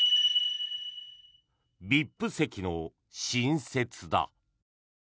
ＶＩＰ席の新設だ。